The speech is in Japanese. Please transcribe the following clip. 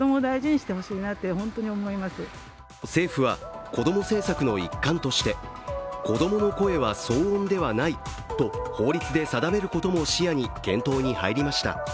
政府はこども政策の一環として子供の声は騒音ではないと法律で定めることも視野に検討に入りました。